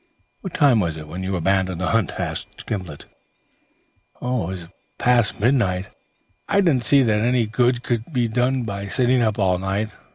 "What time was it when you abandoned the hunt?" asked Gimblet. "It was past midnight. I didn't see that any good could be done by sitting up all night.